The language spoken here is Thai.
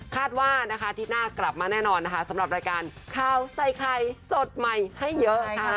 คาดว่านะคะอาทิตย์หน้ากลับมาแน่นอนนะคะสำหรับรายการข่าวใส่ไข่สดใหม่ให้เยอะค่ะ